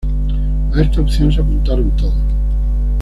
A esta opción se apuntaron todos.